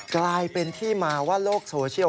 กลายเป็นที่มาว่าโลกโซเชียล